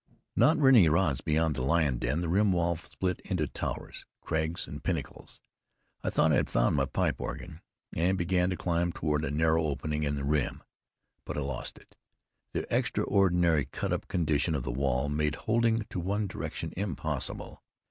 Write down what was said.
Not many rods beyond the lion den, the rim wall split into towers, crags and pinnacles. I thought I had found my pipe organ, and began to climb toward a narrow opening in the rim. But I lost it. The extraordinarily cut up condition of the wall made holding to one direction impossible.